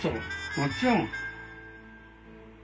もちろん。